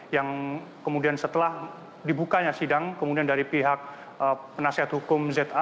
yang kemudian setelah dibukanya sidang kemudian dari pihak penasihat hukum za